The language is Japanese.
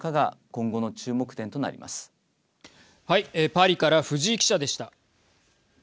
パリから藤井記者でした。